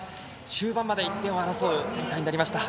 終盤まで１点を争う展開になりました。